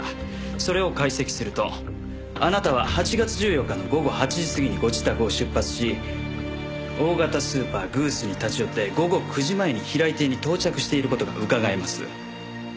それを解析するとあなたは８月１４日の午後８時過ぎにご自宅を出発し大型スーパーグースに立ち寄って午後９時前に平井邸に到着している事がうかがえます。